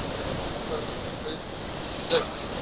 আমার আর কোনোকিছুতেই কিছু যায় আসে না।